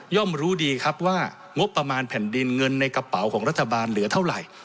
รู้ดีครับว่างบประมาณแผ่นดินเงินในกระเป๋าของรัฐบาลเหลือเท่าไหร่